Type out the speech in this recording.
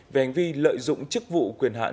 về hành vi lợi dụng chức vụ quyền hạn